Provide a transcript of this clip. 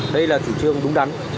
đây là chủ trương đúng đắn